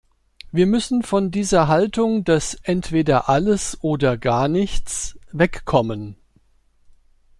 Wir müssen von dieser Haltung des entweder alles oder gar nichts wegkommen.